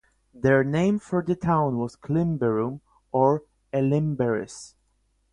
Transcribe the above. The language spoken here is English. Their name for the town was Climberrum or Elimberris.